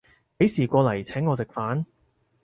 幾時過來請我食飯